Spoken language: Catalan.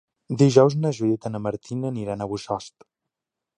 Dijous na Judit i na Martina iran a Bossòst.